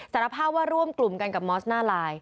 สารภาพว่าร่วมกลุ่มกันกับมอสหน้าไลน์